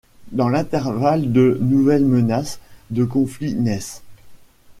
Dans l'intervalle, de nouvelles menaces de conflit naissent.